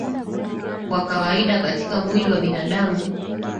kwa kawaida katika mwili wa binadamu